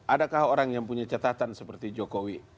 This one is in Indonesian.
adakah orang yang punya catatan seperti jokowi